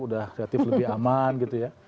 udah kreatif lebih aman gitu ya